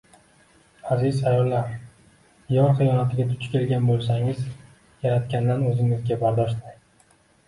Aziz ayollar, yor xiyonatiga duch kelgan bo`lsangiz, Yaratgandan o`zingizga bardosh tilang